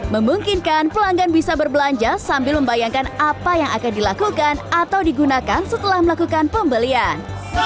memungkinkan pelanggan bisa berbelanja sambil membayangkan apa yang akan dilakukan atau digunakan setelah melakukan pembelian